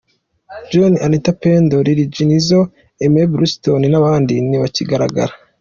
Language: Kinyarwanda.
John, Anita Pendo, Lil G, Nizzo, Aime Bluestone n’abandi ntibakihagaragara.